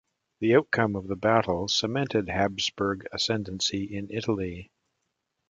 The outcome of the battle cemented Habsburg ascendancy in Italy.